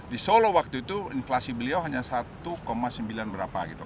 di solo waktu itu inflasi beliau hanya satu sembilan berapa gitu